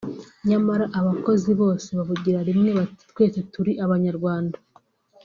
nyamara abakozi bose bavugira rimwe bati “twese turi Abanyarwanda